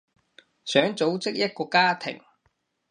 想組織一個家庭